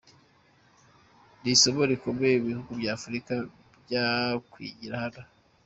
Ni isomo rikomeye ibihugu bya Afurika byakwigira hano.